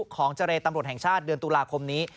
เจรตำรวจแห่งชาติเดือนตุลาคมนี้